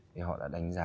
thì họ đã đánh giá